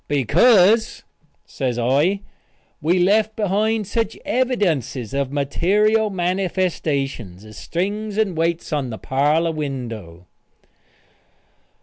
"Because," says I, "we left behind such evidences of material manifestations as strings and weights on the parlor window."